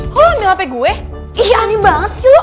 lo ambil hp gue ih aneh banget sih lo